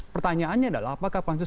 pertanyaannya adalah apakah pansus